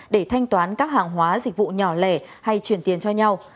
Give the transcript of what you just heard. để thanh toán các hàng hóa dịch vụ nhỏ lẻ hay chuyển tiền cho nhau